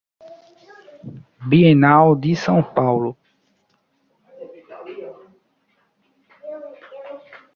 Bienal de São Paulo